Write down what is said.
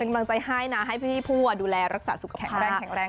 เป็นกำลังใจให้นะให้พี่ผู้อ่ะดูแลรักษาสุขภาพ